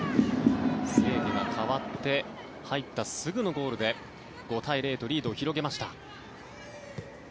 清家が代わって入ったすぐのゴールで５対０とリードを広げました。